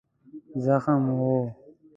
زخم و.